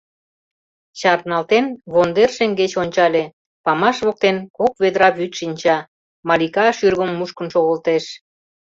Чарналтен, вондер шеҥгеч ончале — памаш воктен кок ведра вӱд шинча, Малика шӱргым мушкын шогылтеш.